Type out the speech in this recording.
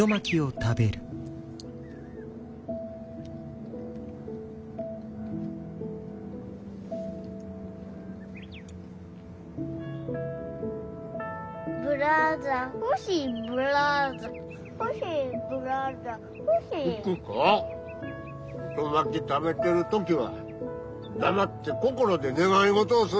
食べてる時は黙って心で願い事をするんや。